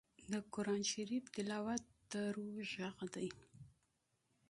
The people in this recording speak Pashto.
د قرآن تلاوت د روح غږ دی.